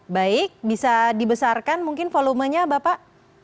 baik bisa dibesarkan mungkin volumenya bapak